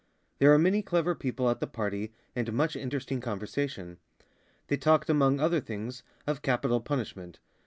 There were many clever people at the party and much interesting conversation. They talked among other things of capital punishment.